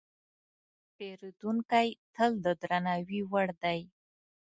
پیرودونکی تل د درناوي وړ دی.